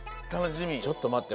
ちょっとまって。